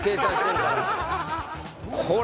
これ。